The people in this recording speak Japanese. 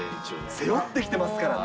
背負ってきてますからね。